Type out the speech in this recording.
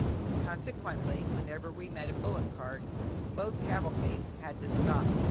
Consequently whenever we met a bullock cart both cavalcades had to stop.